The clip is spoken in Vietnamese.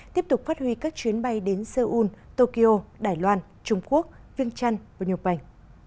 tiếp tục phát huy các chuyến bay đến seoul tokyo đài loan trung quốc vương trân và nhục bành